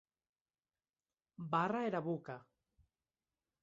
Barra era boca.